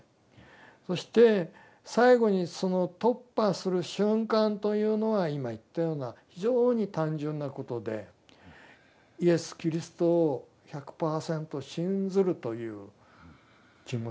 そして最後にその突破する瞬間というのは今言ったような非常に単純なことでイエス・キリストを１００％信ずるという気持ちなんです。